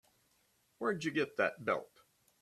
Where'd you get that belt?